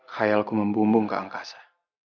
kayalku membumbung ke angkasa